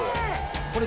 これ。